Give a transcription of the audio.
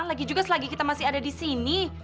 lagi juga selagi kita masih ada di sini